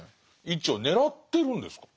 位置を狙ってるんですか？